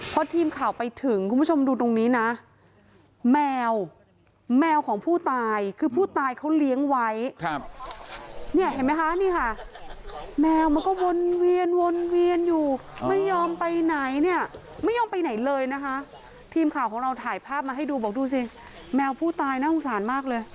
พอทีมข่าวไปถึงคุณผู้ชมดูตรงนี้นะแมวแมวของผู้ตายคือผู้ตายเขาเลี้ยงไว้ครับเนี่ยเห็นไหมคะนี่ค่ะแมวมันก็วนเวียนวนเวียนอยู่ไม่ยอมไปไหนเนี่ยไม่ยอมไปไหนเลยนะคะทีมข่าวของเราถ่ายภาพมาให้ดูบอกดูสิแมวผู้ตายน่าสงสารมากเลย